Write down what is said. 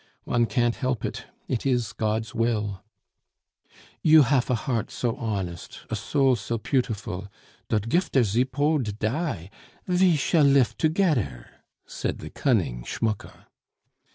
One can't help it; it is God's will." "You haf a heart so honest, a soul so peautiful, dot gif der Zipod die, ve shall lif togedder," said the cunning Schmucke.